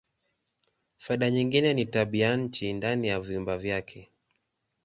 Faida nyingine ni tabianchi ndani ya vyumba vyake.